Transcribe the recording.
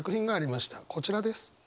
こちらです。